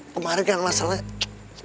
kemarin kan masalahnya